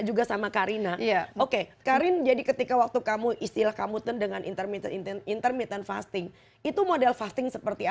juga sama karina ya oke karin jadi ketika waktu kamu istilah kamu ten dengan intermittent intent intermittent fasting itu model fasting seperti